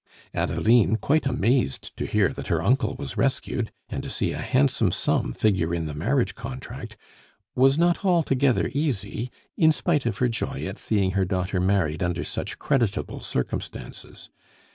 Adeline, quite amazed to hear that her uncle was rescued, and to see a handsome sum figure in the marriage contract, was not altogether easy, in spite of her joy at seeing her daughter married under such creditable circumstances.